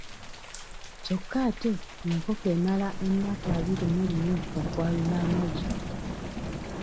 Kyokka ate enkoko emala ennaku abiri mu lumu okwalula amagi.